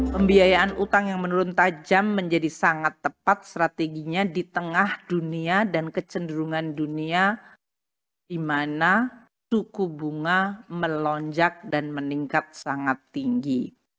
pembiayaan utang yang menurun tajam menjadi sangat tepat strateginya di tengah dunia dan kecenderungan dunia di mana suku bunga melonjak dan meningkat sangat tinggi